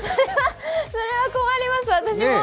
それは困ります、私も。